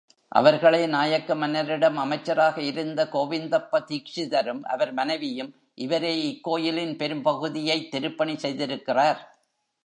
அவர்களே நாயக்க மன்னரிடம் அமைச்சராக இருந்த கோவிந்தப்ப தீக்ஷிதரும் அவர் மனைவியும், இவரே இக்கோயிலின்பெரும் பகுதியைத் திருப்பணி செய்திருக்கிறார்.